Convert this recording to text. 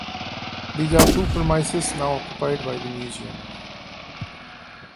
These are the premises now occupied by the museum.